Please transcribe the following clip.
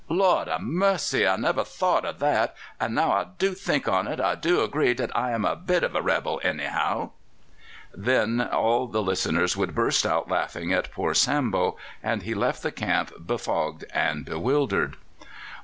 "Lord ha' mercy! I never thought o' that; and now I do think on it, I do agree dat I am a bit of a rebel, anyhow." Then all the listeners would burst out laughing at poor Sambo, and he left the camp befogged and bewildered.